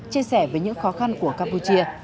chia sẻ với những khó khăn của campuchia